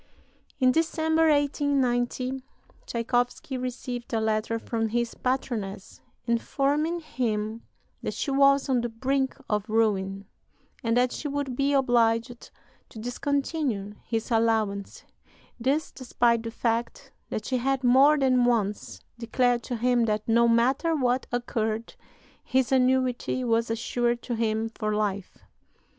In December, 1890, Tschaikowsky received a letter from his patroness informing him that she was on the brink of ruin, and that she would be obliged to discontinue his allowance; this, despite the fact that she had more than once declared to him that, no matter what occurred, his annuity was assured to him for life.